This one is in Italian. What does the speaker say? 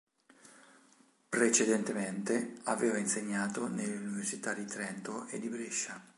Precedentemente aveva insegnato nelle Università di Trento e di Brescia.